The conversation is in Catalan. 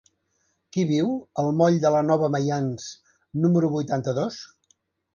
Qui viu al moll de la Nova Maians número vuitanta-dos?